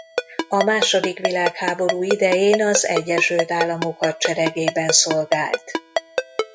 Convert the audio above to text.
A második világháború idején az Egyesült Államok hadseregében szolgált.